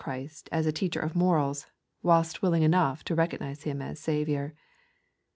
ChriBt as a teacher *of morals, wUlst willing enoagh to recognise Him as Saviour.